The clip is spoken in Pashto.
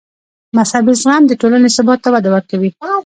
مذهبي زغم د ټولنې ثبات ته وده ورکوي.